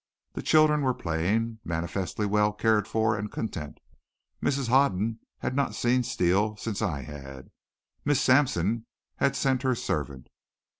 The children were playing, manifestly well cared for and content. Mrs. Hoden had not seen Steele since I had. Miss Samson had sent her servant.